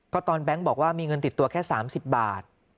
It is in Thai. ก็ตอนแบงค์บอกว่ามีเงินติดตัวแค่๓๐บาท